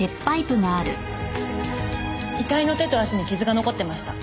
遺体の手と足に傷が残ってました。